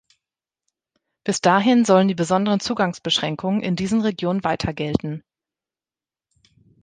Bis dahin sollen die besonderen Zugangsbeschränkungen in diesen Regionen weiter gelten.